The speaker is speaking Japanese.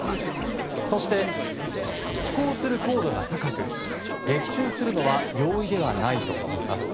そして、飛行する高度が高く撃墜するのは容易ではないといいます。